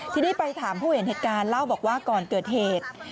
ทีนี้ไปถามผู้เห็นเหตุการณ์เล่าบอกว่าก่อนเกิดเหตุ